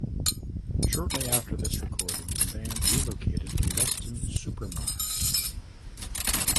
Shortly after this recording the band relocated to Weston-super-Mare.